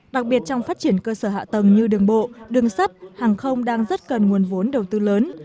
đặc biệt trong phát triển cơ sở hạ tầng như đường bộ đường sắt hàng không đang rất cần nguồn vốn đầu tư lớn